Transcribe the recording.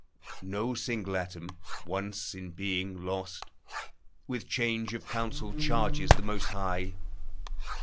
No single atom, once in being, lost, With change of counsel charges the Most High.